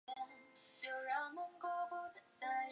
十一点是位于美国阿肯色州兰道夫县的一个非建制地区。